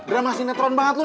drama sinetron banget lu